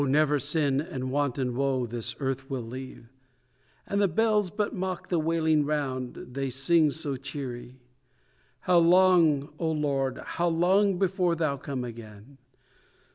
never sin and want and woe this earth will leave, And the bells but mock the wailing round, they sing so cheery. How long, O Lord! how long before Thou come again?